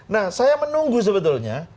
nah saya menunggu sebetulnya